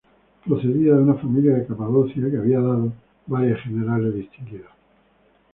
Procedía de una familia de Capadocia que había dado varios generales distinguidos.